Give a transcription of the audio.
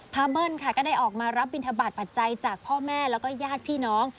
เบิ้ลค่ะก็ได้ออกมารับบินทบาทปัจจัยจากพ่อแม่แล้วก็ญาติพี่น้อง